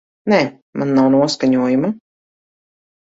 Nē, man nav noskaņojuma.